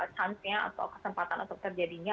chance nya atau kesempatan untuk terjadinya